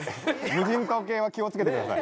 無人島系は気をつけてください。